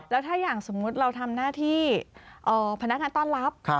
แล้วถ้าอย่างสมมุติเราทำหน้าที่พนักงานต้อนรับ